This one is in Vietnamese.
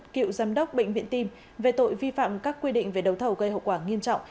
cựu giám đốc bệnh viện tim về tội vi phạm các quy định về đấu thầu gây hậu quả nghiêm trọng